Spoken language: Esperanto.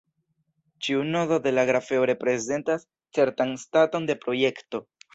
Ĉiu nodo de la grafeo reprezentas certan staton de projekto.